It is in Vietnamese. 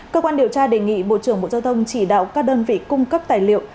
cơ quan điều tra đề nghị bộ trưởng bộ giao thông chỉ đạo các đơn vị cung cấp tài liệu